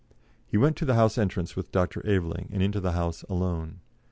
He went to the House entrance with Dr. Aveling, and into the House alone.